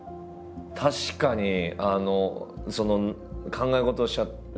確かに考え事をしちゃう枕に。